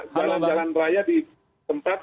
jalan jalan raya di tempat